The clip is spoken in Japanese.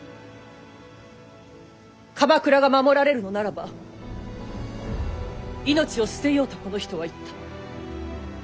鎌倉が守られるのならば命を捨てようとこの人は言った。